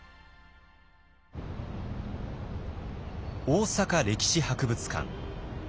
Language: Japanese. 大阪歴史博物館。